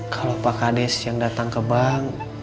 kalau pak kades yang datang ke bank